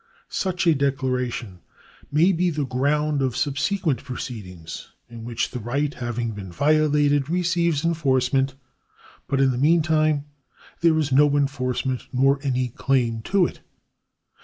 Such a declaration may be the ground of subsequent proceedings in which the right, having been violated, receives enforcement, but in the meantime there is no enforcement nor any claim to it.